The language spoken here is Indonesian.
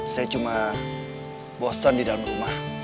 saya cuma bosan di dalam rumah